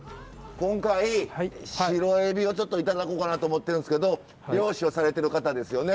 今回シロエビをちょっと頂こうかなと思ってるんですけど漁師をされてる方ですよね。